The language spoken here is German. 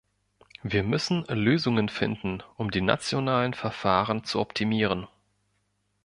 Wir müssen Lösungen finden, um die nationalen Verfahren zu optimieren.